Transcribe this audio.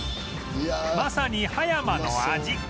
まさに葉山の味